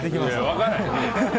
分からへんで。